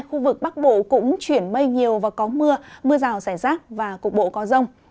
khu vực bắc bộ cũng chuyển mây nhiều và có mưa mưa rào rải rác và cục bộ có rông